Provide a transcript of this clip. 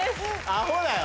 アホだよ。